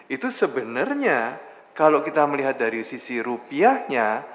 itu sebenarnya kalau kita melihat dari sisi rupiahnya